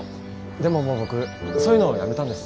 でももう僕そういうのやめたんです。